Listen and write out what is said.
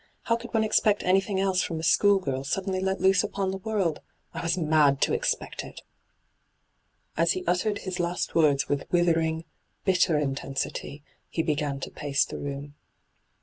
How could one expect anything else from a school girl suddenly let loose upon the world ? I was mad to expect it I' As he uttered his last words with wither ing, bitter intensity, he began to pace the room.